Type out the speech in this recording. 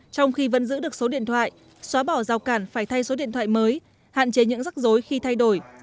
trong khi vẫn giữ được số điện thoại xóa bỏ rào cản phải thay số điện thoại mới hạn chế những rắc rối khi thay đổi